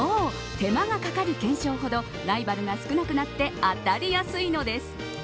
手間がかかる懸賞ほどライバルが少なくなって当たりやすいのです。